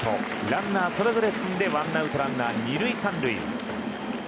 ランナーそれぞれ進んで１アウトランナー２塁３塁。